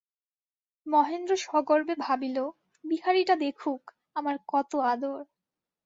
মহেন্দ্র সগর্বে ভাবিল, বিহারীটা দেখুক, আমার কত আদর।